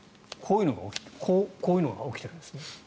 こういうのが起きているんですね。